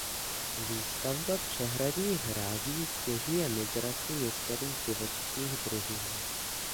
Výstavba přehradních hrází ztěžuje migraci některých živočišných druhů.